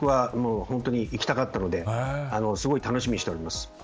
私は南極は行きたかったのですごい楽しみにしております。